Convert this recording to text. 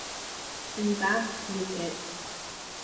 And that was it!